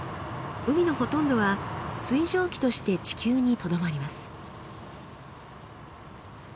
海のほとんどは水蒸気として地球にとどまります。